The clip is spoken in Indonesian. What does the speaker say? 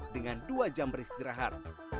dengan dua jam beristirahat